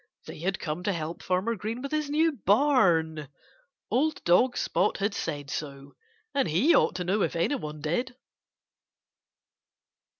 They had come to help Farmer Green with his new barn! Old dog Spot had said so. And he ought to know, if anyone did.